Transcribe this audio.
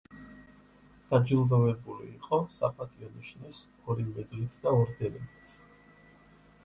დაჯილდოვებული იყო „საპატიო ნიშნის“ ორი მედლით და ორდენებით.